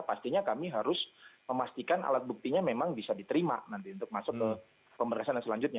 pastinya kami harus memastikan alat buktinya memang bisa diterima nanti untuk masuk ke pemeriksaan selanjutnya